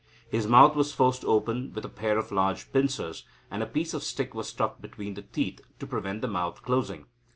His mouth was forced open with a pair of large pincers, and a piece of stick was thrust between the teeth to prevent the mouth closing.